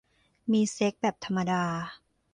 มีเซ็กส์แบบธรรมดา